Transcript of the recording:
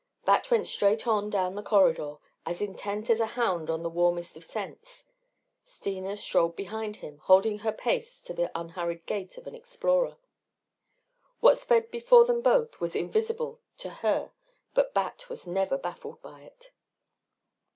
Bat went straight on down the corridor, as intent as a hound on the warmest of scents. Steena strolled behind him, holding her pace to the unhurried gait of an explorer. What sped before them both was invisible to her but Bat was never baffled by it.